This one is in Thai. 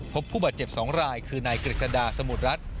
พบผู้บาดเจ็บสองรายคือนายกริสรดาสมุดรัฐ